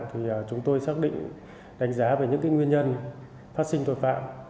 thì chúng tôi xác định đánh giá về những nguyên nhân phát sinh tội phạm